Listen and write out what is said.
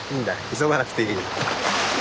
急がなくていいよ。